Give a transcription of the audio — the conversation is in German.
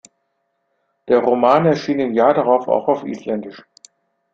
Der Roman erschien im Jahr darauf auch auf Isländisch.